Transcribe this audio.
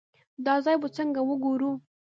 دا ځای به څنګه وګورو.